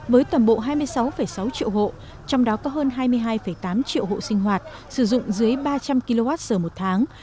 với toàn bộ hai mươi sáu sáu triệu hộ trong đó có hơn hai mươi hai tám triệu hộ sinh hoạt sử dụng dưới ba trăm linh kwh một tháng